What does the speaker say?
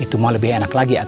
itu mau lebih enak lagi